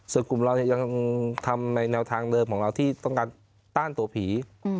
ส่วนกลุ่มเรายังทำในแนวทางเดิมของเราที่ต้องการต้านตัวผี